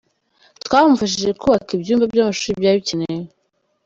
Twamufashije kubaka ibyumba by’amashuri byari bikenewe.